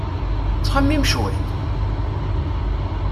Ttxemmim cwiṭ!